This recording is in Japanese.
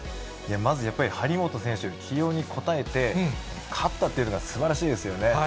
まずやっぱり、張本選手、起用に応えて、勝ったっていうのがすばらしいですよね。